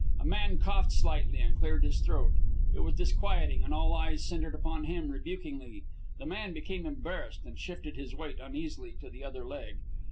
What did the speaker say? A man coughed slightly and cleared his throat. It was disquieting, and all eyes centred upon him rebukingly. The man became embarrassed, and shifted his weight uneasily to the other leg.